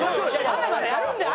まだまだやるんだよ！